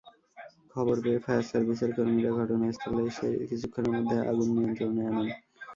খবর পেয়ে ফায়ার সার্ভিসের কর্মীরা ঘটনাস্থলে এসে কিছুক্ষণের মধ্যেই আগুন নিয়ন্ত্রণে আনেন।